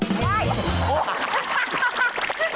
ไม่ได้